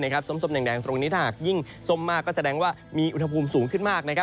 หักยิ่งสมมากก็แสดงว่ามีอุณหภูมิสูงขึ้นมาก